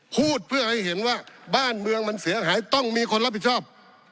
พูดเพื่อให้เห็นว่าบ้านเมืองมันเสียหายต้องมีคนรับผิดชอบ